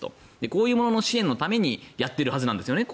こういうものの支援のためにやってるはずなんですよね。